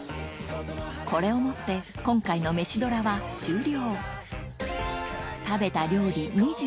これをもって今回のメシドラは終了